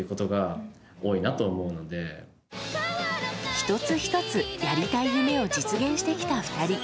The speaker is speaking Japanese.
１つ１つ、やりたい夢を実現してきた２人。